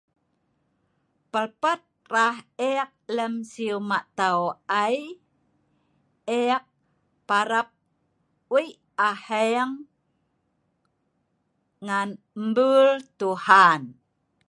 Pelpet rah e’ik lem siew mak taau ai e’ik parap we’ik aheng ngan embul tuhan